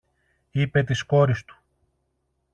είπε της κόρης του